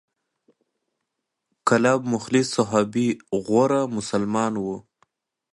کلاب مخلص صحابي او غوره مسلمان و،